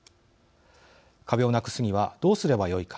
壁をなくすにはどうすればよいか。